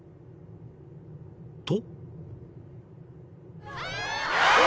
［と］